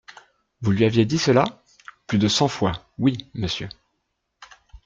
Vous lui aviez dit cela ? Plus de cent fois, oui, monsieur.